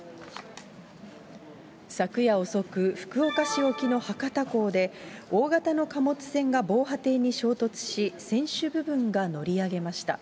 昨夜遅く、福岡市沖の博多港で、大型の貨物船が防波堤に衝突し、船首部分が乗り上げました。